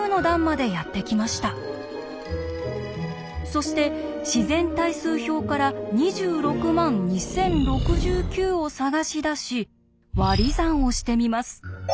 そして自然対数表から２６万２０６９を探し出し割り算をしてみます。